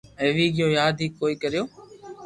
ويوي گيو ياد ھي ڪوئي ڪريو